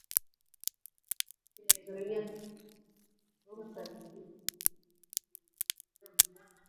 akiamini ndio yamekuwa yakichangia kiongozi anayetawala kimabavu lauren badgbo